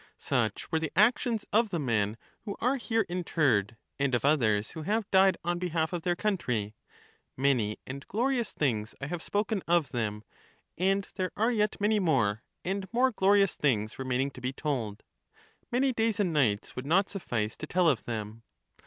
Such were the actions of the men who are here interred, and of others who have died on behalf of their country ; many and glorious things I have spoken of them, and there are yet many more and more glorious things remaining to be told — many days and nights would not suffice to tell of them.